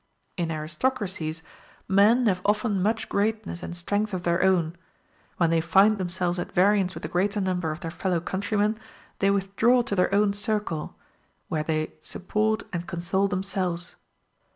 In aristocracies men have often much greatness and strength of their own: when they find themselves at variance with the greater number of their fellow countrymen, they withdraw to their own circle, where they support and console themselves.